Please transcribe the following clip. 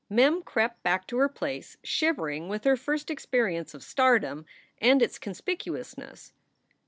Mem crept back to her place, shivering with her first experi ence of stardom and its conspicuousness.